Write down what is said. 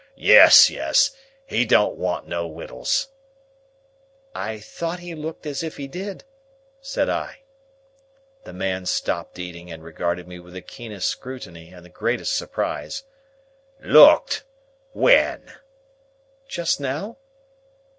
Yes, yes! He don't want no wittles." "I thought he looked as if he did," said I. The man stopped eating, and regarded me with the keenest scrutiny and the greatest surprise. "Looked? When?" "Just now."